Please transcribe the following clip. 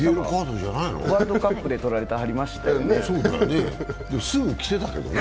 ワールドカップで取られてはりましたよね。